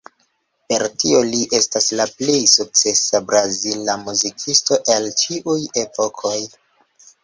Per tio li estas la plej sukcesa brazila muzikisto el ĉiuj epokoj.